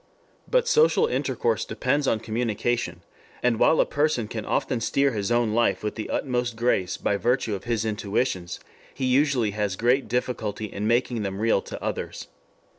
But social intercourse depends on communication, and while a person can often steer his own life with the utmost grace by virtue of his intuitions, he usually has great difficulty in making them real to others.